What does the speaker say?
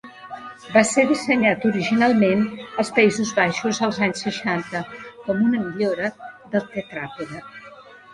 Va ser dissenyat originalment als Països Baixos als anys seixanta, com una millora del tetràpode.